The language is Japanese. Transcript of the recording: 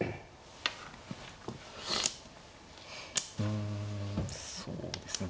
うんそうですね